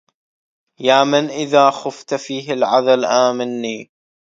يا من إذا خفت فيه العذل آمنني